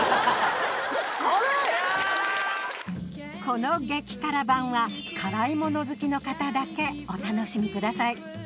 この激辛版は辛いもの好きの方だけお楽しみください